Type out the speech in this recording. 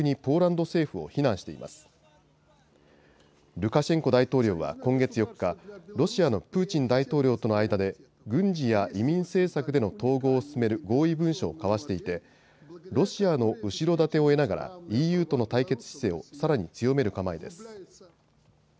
ルカシェンコ大統領は今月４日、ロシアのプーチン大統領との間で軍事や移民政策での統合を進める合意文書を交わしていてロシアの後ろ盾を得ながらＥＵとの対決姿勢をさらに強める構えです。